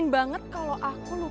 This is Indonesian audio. makanya kami akan danik